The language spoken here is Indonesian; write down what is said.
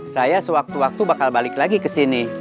saya sewaktu waktu bakal balik lagi ke sini